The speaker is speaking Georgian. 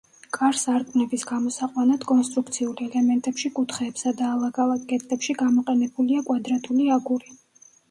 კარ-სარკმლების გამოსაყვანად კონსტრუქციულ ელემენტებში, კუთხეებსა და ალაგ-ალაგ კედლებში გამოყენებულია კვადრატული აგური.